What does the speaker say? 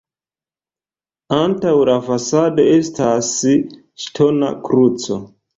Antaŭ la fasado estas ŝtona kruco.